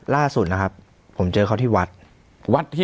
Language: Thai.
ล่าสุดนะครับผมเจอเขาที่วัดที่